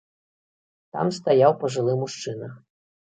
Там стаяў пажылы мужчына.